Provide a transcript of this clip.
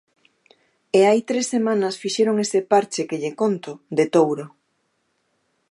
E hai tres semanas fixeron ese parche, que lle conto, de Touro.